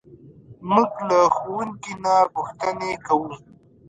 موږ له ښوونکي نه پوښتنې کوو.